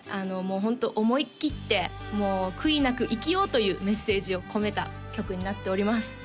もうホント思い切って悔いなく生きようというメッセージを込めた曲になっております